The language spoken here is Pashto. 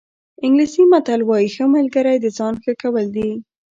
انګلیسي متل وایي ښه ملګری د ځان ښه کول دي.